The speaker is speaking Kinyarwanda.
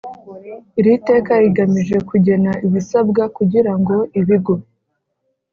Iri teka rigamije kugena ibisabwa kugira ngo ibigo